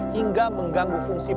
hingga mengganggu fungsi berkepanjangan